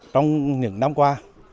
trong những năm qua